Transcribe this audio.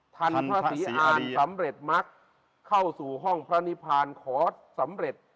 พระศรีอ่านสำเร็จมักเข้าสู่ห้องพระนิพานขอสำเร็จ